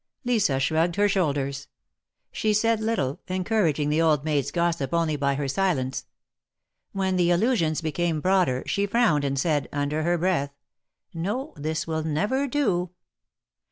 Lisa shrugged her shoulders. She said little, encourag ing the old maid's gossip only by her silence. When the allusions became broader, she frowned and said, under her breath ;" No, this will nev^er do!"